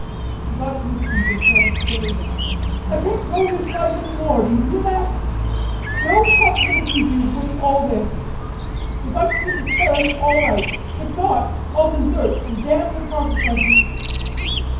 He got to his feet and shouted shrilly: "I can't go this life any more, do you hear that? No possible future is worth all this. If I can get to Paris, all right. If not, I'll desert and damn the consequences."